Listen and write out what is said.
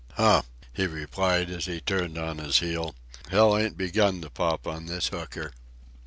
"Huh!" he replied, as he turned on his heel. "Hell ain't begun to pop on this hooker."